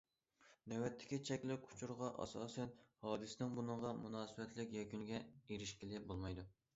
نۆۋەتتىكى چەكلىك ئۇچۇرغا ئاساسەن، ھادىسىنىڭ بۇنىڭغا مۇناسىۋەتلىك يەكۈنىگە ئېرىشكىلى بولمايدۇ.